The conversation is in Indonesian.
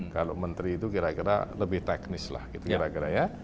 kalau menteri itu kira kira lebih teknis lah gitu kira kira ya